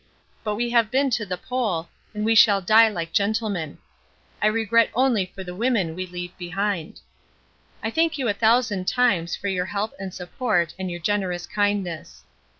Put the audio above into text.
But we have been to the Pole and we shall die like gentlemen. I regret only for the women we leave behind. I thank you a thousand times for your help and support and your generous kindness.